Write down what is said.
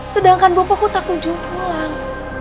sedangkan bopoku tak kunjung pulang